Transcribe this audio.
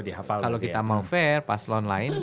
kalau kita mau fair paslon lain